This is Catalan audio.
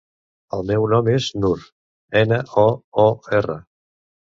El meu nom és Noor: ena, o, o, erra.